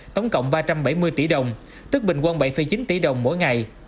tổng cộng ba trăm bảy mươi tỷ đồng tức bình quân bảy chín tỷ đồng mỗi ngày